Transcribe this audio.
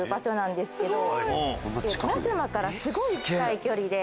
マグマからすごい近い距離で。